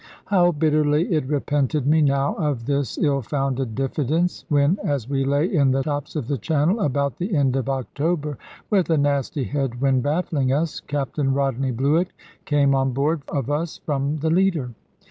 How bitterly it repented me now of this ill founded diffidence, when, as we lay in the Chops of the Channel about the end of October, with a nasty head wind baffling us, Captain Rodney Bluett came on board of us from the Leader!